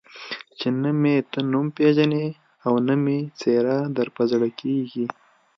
چې نه مې ته نوم پېژنې او نه مې څېره در په زړه کېږي.